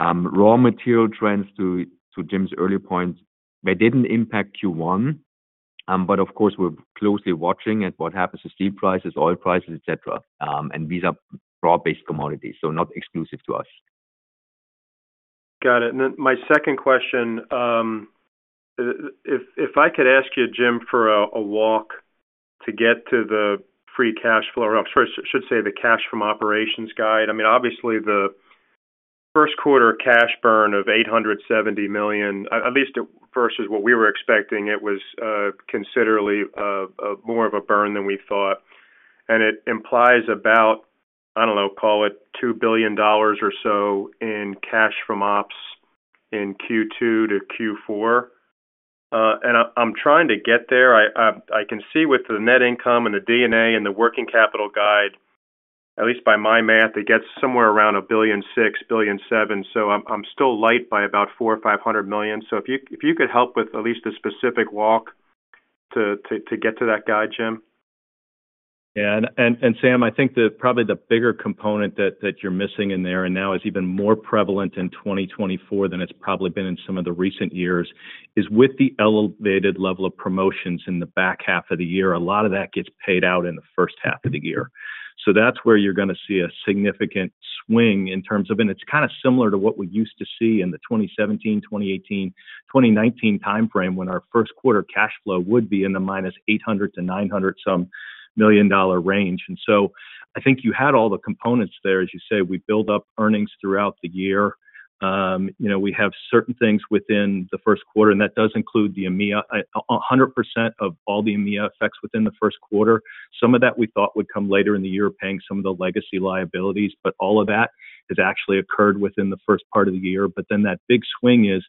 Raw material trends, to Jim's earlier point, they didn't impact Q1. But of course, we're closely watching at what happens to steel prices, oil prices, et cetera, and these are broad-based commodities, so not exclusive to us. Got it. Then my second question, if I could ask you, Jim, for a walk to get to the free cash flow or I should say the cash from operations guide, I mean, obviously, the first-quarter cash burn of $870 million, at least versus what we were expecting, it was considerably more of a burn than we thought. And it implies about, I don't know, call it $2 billion or so in cash from ops in Q2 to Q4. And I'm trying to get there. I can see with the net income and the D&A and the working capital guide, at least by my math, it gets somewhere around $6 billion-$7 billion. So I'm still light by about $400 million-$500 million. So if you could help with at least a specific walk to get to that guide, Jim. Yeah. And Sam, I think probably the bigger component that you're missing in there and now is even more prevalent in 2024 than it's probably been in some of the recent years is with the elevated level of promotions in the back half of the year, a lot of that gets paid out in the first half of the year. So that's where you're going to see a significant swing in terms of and it's kind of similar to what we used to see in the 2017, 2018, 2019 time frame when our first-quarter cash flow would be in the minus $800-$900 million range. And so I think you had all the components there. As you say, we build up earnings throughout the year. We have certain things within the first quarter, and that does include the EMEA. 100% of all the EMEA effects within the first quarter. Some of that we thought would come later in the year paying some of the legacy liabilities. But all of that has actually occurred within the first part of the year. But then that big swing is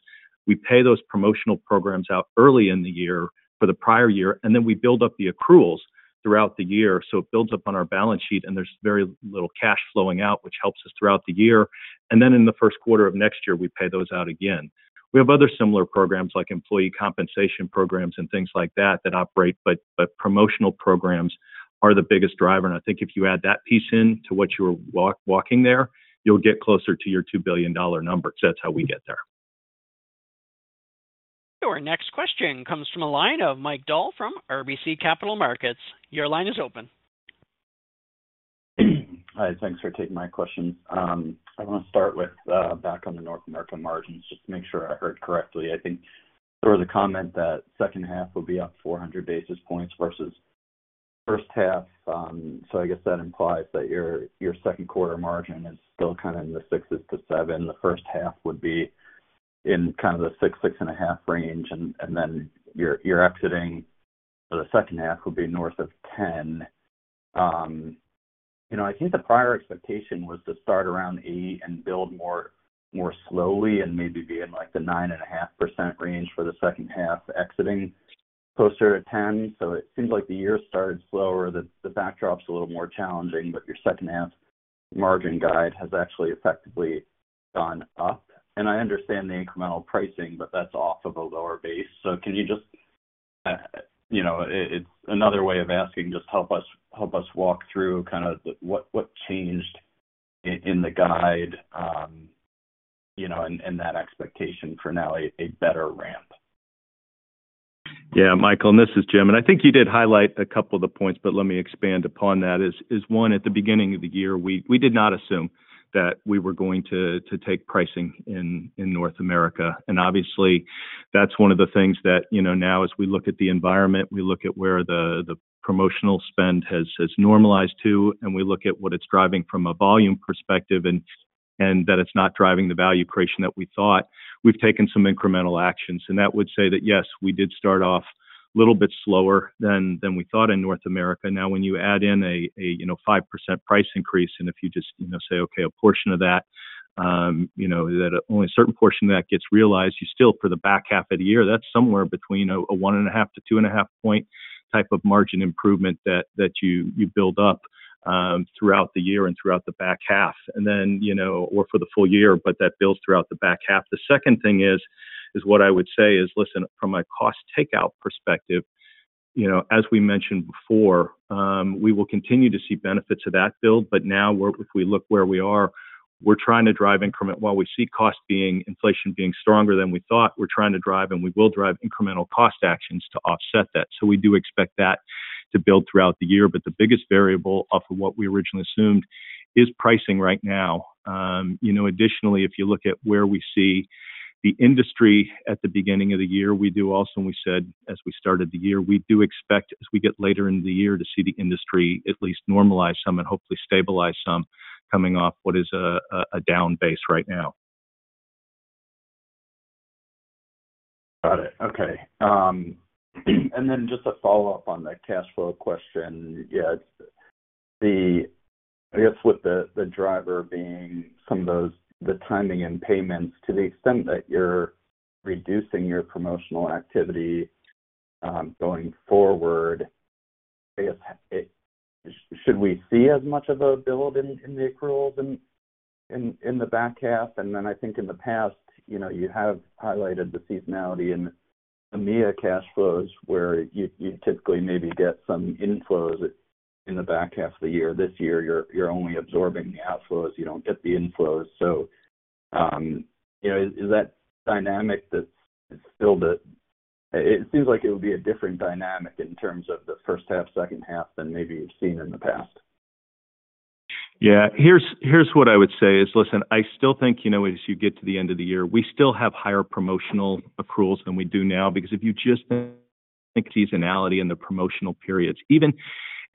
we pay those promotional programs out early in the year for the prior year, and then we build up the accruals throughout the year. So it builds up on our balance sheet, and there's very little cash flowing out, which helps us throughout the year. And then in the first quarter of next year, we pay those out again. We have other similar programs like employee compensation programs and things like that that operate, but promotional programs are the biggest driver. And I think if you add that piece in to what you were walking there, you'll get closer to your $2 billion number. So that's how we get there. Your next question comes from a line of Mike Dahl from RBC Capital Markets. Your line is open. Hi. Thanks for taking my questions. I want to start with back on the North American margins, just to make sure I heard correctly. I think there was a comment that second half will be up 400 basis points versus first half. So I guess that implies that your second-quarter margin is still kind of in the 6s to seven. The first half would be in kind of the 6–6.5 range. And then you're exiting for the second half would be north of 10. I think the prior expectation was to start around eight and build more slowly and maybe be in the 9.5% range for the second half exiting closer to 10. So it seems like the year started slower. The backdrop's a little more challenging, but your second half margin guide has actually effectively gone up. And I understand the incremental pricing, but that's off of a lower base. So can you just—it's another way of asking—just help us walk through kind of what changed in the guide and that expectation for now, a better ramp. Yeah, Michael. And this is Jim. And I think you did highlight a couple of the points, but let me expand upon that. Is one, at the beginning of the year, we did not assume that we were going to take pricing in North America. Obviously, that's one of the things that now, as we look at the environment, we look at where the promotional spend has normalized to, and we look at what it's driving from a volume perspective and that it's not driving the value creation that we thought. We've taken some incremental actions. That would say that, yes, we did start off a little bit slower than we thought in North America. Now, when you add in a 5% price increase and if you just say, "Okay, a portion of that, only a certain portion of that gets realized," you still, for the back half of the year, that's somewhere between a 1.5-2.5 point type of margin improvement that you build up throughout the year and throughout the back half or for the full year, but that builds throughout the back half. The second thing is what I would say is, listen, from a cost takeout perspective, as we mentioned before, we will continue to see benefits of that build. But now, if we look where we are, we're trying to drive increment while we see cost inflation being stronger than we thought, we're trying to drive, and we will drive, incremental cost actions to offset that. So we do expect that to build throughout the year. But the biggest variable off of what we originally assumed is pricing right now. Additionally, if you look at where we see the industry at the beginning of the year, we do also and we said as we started the year, we do expect, as we get later into the year, to see the industry at least normalize some and hopefully stabilize some coming off what is a down base right now. Got it. Okay. And then just to follow up on the cash flow question, yeah, I guess with the driver being some of those the timing and payments, to the extent that you're reducing your promotional activity going forward, I guess, should we see as much of a build in the accruals in the back half? And then I think in the past, you have highlighted the seasonality in EMEA cash flows where you typically maybe get some inflows in the back half of the year. This year, you're only absorbing the outflows. You don't get the inflows. So is that dynamic that's still it seems like it would be a different dynamic in terms of the first half, second half than maybe you've seen in the past. Yeah. Here's what I would say is, listen, I still think as you get to the end of the year, we still have higher promotional accruals than we do now because if you just think seasonality and the promotional periods. Even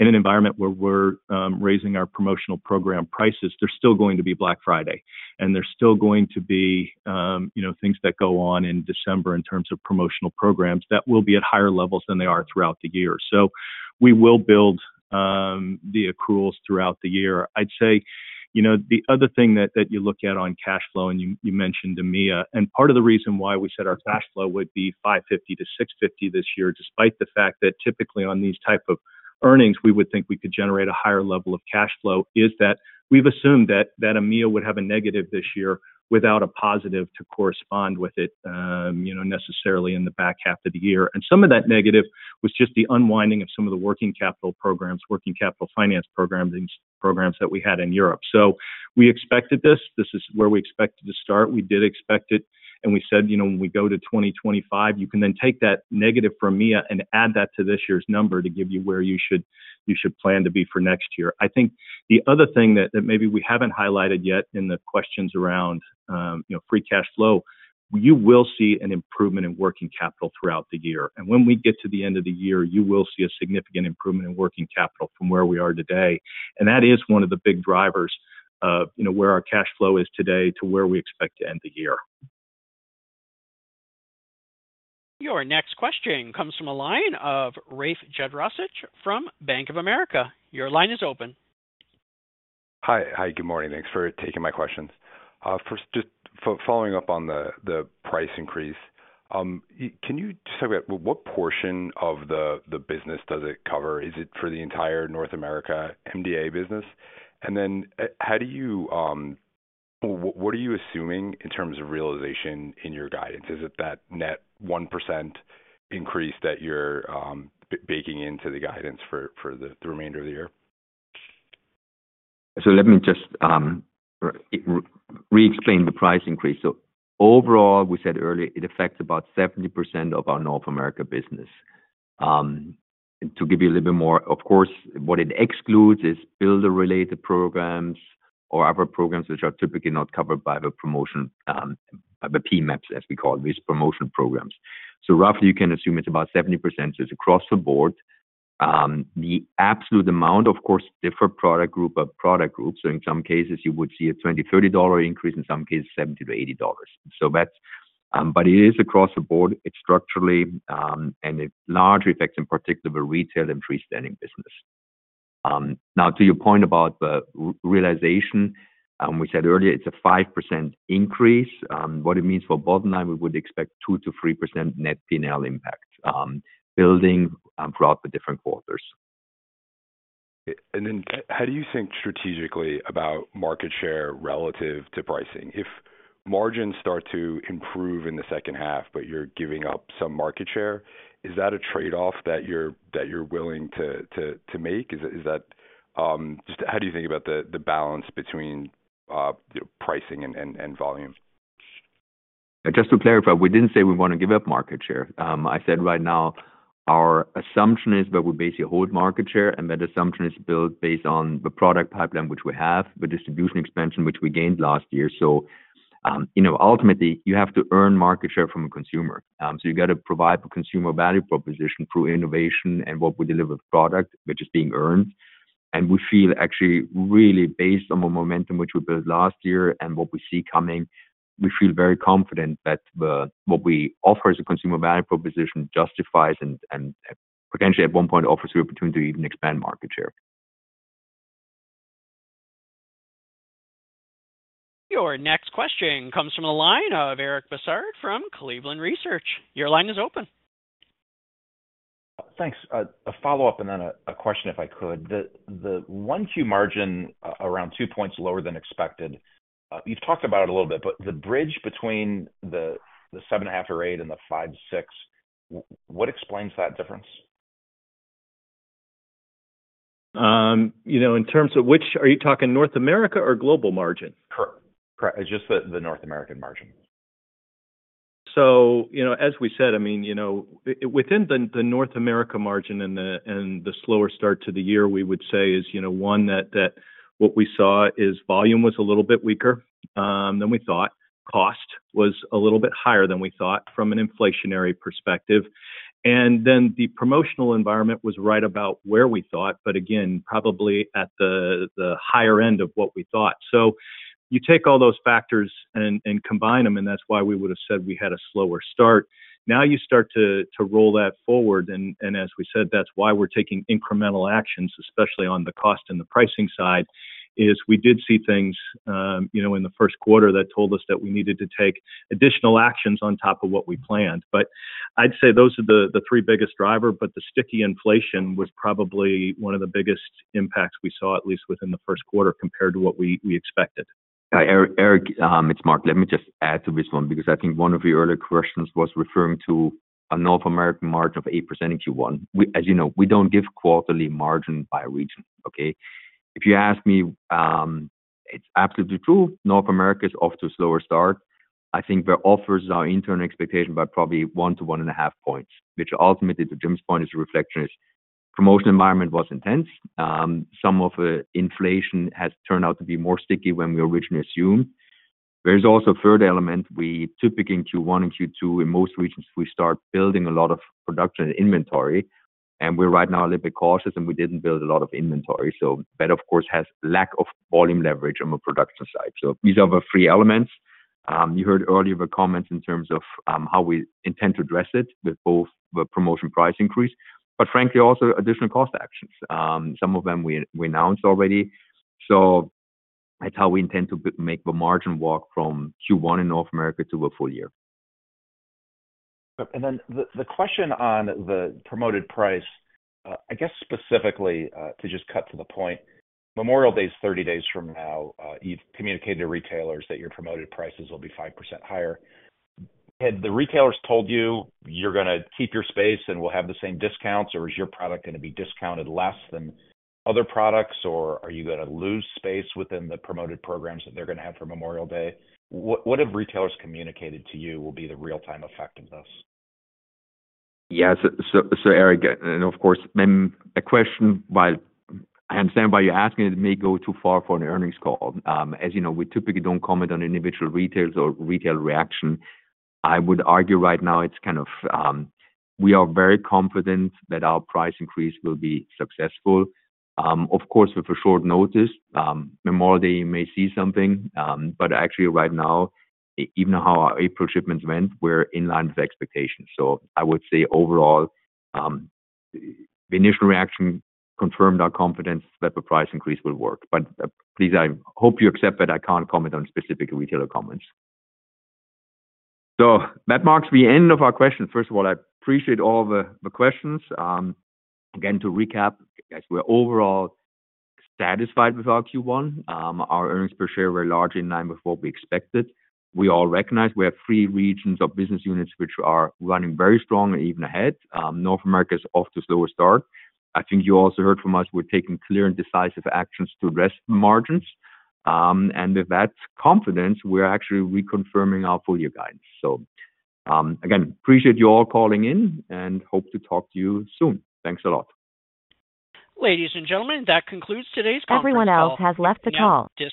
in an environment where we're raising our promotional program prices, there's still going to be Black Friday, and there's still going to be things that go on in December in terms of promotional programs that will be at higher levels than they are throughout the year. So we will build the accruals throughout the year. I'd say the other thing that you look at on cash flow, and you mentioned EMEA, and part of the reason why we said our cash flow would be $550 million-$650 million this year, despite the fact that typically on these type of earnings, we would think we could generate a higher level of cash flow, is that we've assumed that EMEA would have a negative this year without a positive to correspond with it necessarily in the back half of the year. Some of that negative was just the unwinding of some of the working capital programs, working capital finance programs that we had in Europe. We expected this. This is where we expected to start. We did expect it. And we said, "When we go to 2025, you can then take that negative from EMEA and add that to this year's number to give you where you should plan to be for next year." I think the other thing that maybe we haven't highlighted yet in the questions around free cash flow, you will see an improvement in working capital throughout the year. And when we get to the end of the year, you will see a significant improvement in working capital from where we are today. And that is one of the big drivers of where our cash flow is today to where we expect to end the year. Your next question comes from a line of Rafe Jadrosich from Bank of America. Your line is open. Hi. Hi. Good morning. Thanks for taking my questions. First, just following up on the price increase, can you just talk about what portion of the business does it cover? Is it for the entire North America MDA business? And then how do you or what are you assuming in terms of realization in your guidance? Is it that net 1% increase that you're baking into the guidance for the remainder of the year? So let me just re-explain the price increase. So overall, we said earlier, it affects about 70% of our North America business. To give you a little bit more, of course, what it excludes is builder-related programs or other programs which are typically not covered by the promotion by the PMAPs, as we call it, which is promotional programs. So roughly, you can assume it's about 70%. So it's across the board. The absolute amount, of course, differs product group by product group. So in some cases, you would see a $20-$30 increase. In some cases, $70-$80. But it is across the board, it's structurally, and it largely affects, in particular, the retail and freestanding business. Now, to your point about the realization, we said earlier it's a 5% increase. What it means for the bottom line, we would expect 2%-3% net P&L impact building throughout the different quarters. And then how do you think strategically about market share relative to pricing? If margins start to improve in the second half, but you're giving up some market share, is that a trade-off that you're willing to make? Is that just how do you think about the balance between pricing and volume? Just to clarify, we didn't say we want to give up market share. I said right now, our assumption is that we basically hold market share. That assumption is built based on the product pipeline which we have, the distribution expansion which we gained last year. Ultimately, you have to earn market share from a consumer. You got to provide a consumer value proposition through innovation and what we deliver with product, which is being earned. We feel actually really based on the momentum which we built last year and what we see coming, we feel very confident that what we offer as a consumer value proposition justifies and potentially at one point offers the opportunity to even expand market share. Your next question comes from a line of Eric Bosshard from Cleveland Research. Your line is open. Thanks. A follow-up and then a question, if I could. The 1Q margin around two points lower than expected, you've talked about it a little bit, but the bridge between the 7.5 or eight and the five-six, what explains that difference? In terms of which, are you talking North America or global margin? Correct. It's just the North American margin. So as we said, I mean, within the North America margin and the slower start to the year, we would say is, one, that what we saw is volume was a little bit weaker than we thought. Cost was a little bit higher than we thought from an inflationary perspective. And then the promotional environment was right about where we thought, but again, probably at the higher end of what we thought. So you take all those factors and combine them, and that's why we would have said we had a slower start. Now you start to roll that forward. And as we said, that's why we're taking incremental actions, especially on the cost and the pricing side, is we did see things in the first quarter that told us that we needed to take additional actions on top of what we planned. But I'd say those are the three biggest driver. But the sticky inflation was probably one of the biggest impacts we saw, at least within the first quarter, compared to what we expected. Hi, Eric. It's Marc. Let me just add to this one because I think one of your earlier questions was referring to a North American margin of 8% in Q1. As you know, we don't give quarterly margin by region, okay? If you ask me, it's absolutely true. North America is off to a slower start. I think where offers is our internal expectation by probably 1-1.5 points, which ultimately, to Jim's point, is a reflection. Promotional environment was intense. Some of the inflation has turned out to be more sticky than we originally assumed. There's also a third element. Typically, in Q1 and Q2, in most regions, we start building a lot of production and inventory. And we're right now a little bit cautious, and we didn't build a lot of inventory. So that, of course, has lack of volume leverage on the production side. So these are the three elements. You heard earlier the comments in terms of how we intend to address it with both the promotion price increase, but frankly, also additional cost actions. Some of them we announced already. So that's how we intend to make the margin walk from Q1 in North America to a full year. And then the question on the promoted price, I guess specifically, to just cut to the point, Memorial Day is 30 days from now. You've communicated to retailers that your promoted prices will be 5% higher. Had the retailers told you, "You're going to keep your space, and we'll have the same discounts," or, "Is your product going to be discounted less than other products," or, "Are you going to lose space within the promoted programs that they're going to have for Memorial Day?" What have retailers communicated to you will be the real-time effect of this? Yeah. So, Eric, and of course, a question, while I understand why you're asking it, it may go too far for an earnings call. As you know, we typically don't comment on individual retailers or retail reaction. I would argue right now, it's kind of we are very confident that our price increase will be successful. Of course, with a short notice, Memorial Day may see something. But actually, right now, even how our April shipments went, we're in line with expectations. So I would say overall, the initial reaction confirmed our confidence that the price increase will work. But please, I hope you accept that I can't comment on specific retailer comments. So that marks the end of our questions. First of all, I appreciate all the questions. Again, to recap, guys, we're overall satisfied with our Q1. Our earnings per share were largely in line with what we expected. We all recognize we have three regions or business units which are running very strong and even ahead. North America is off to a slower start. I think you also heard from us, we're taking clear and decisive actions to address the margins. And with that confidence, we are actually reconfirming our full year guidance. So again, appreciate you all calling in and hope to talk to you soon. Thanks a lot. Ladies and gentlemen, that concludes today's call. Everyone else has left the call.